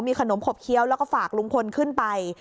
ขนมขบเคี้ยวแล้วก็ฝากลุงพลขึ้นไป